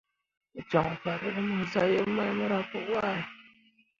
Me joŋ farel mor zah yeb mai mora pǝ wahe.